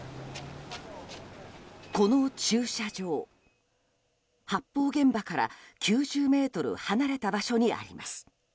この駐車場、発砲現場から９０ｍ離れた場所にあります。